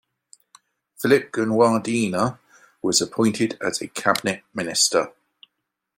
Philip Gunawardena was appointed as a cabinet minister.